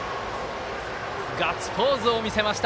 ガッツポーズを見せました